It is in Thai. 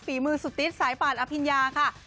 ฝีมือสุดติ๊ดสายป่านอภิญญาค่ะ